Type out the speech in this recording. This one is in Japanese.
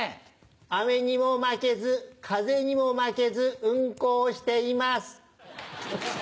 雨にも負けず風にも負けず運行しています。